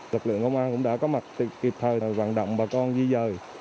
lực lượng công an cũng đã có mặt kịp thời vận động bà con di dời